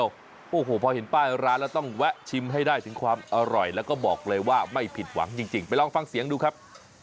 ยังครับไม่ได้ครับลืมไม่ได้อันตรายครับ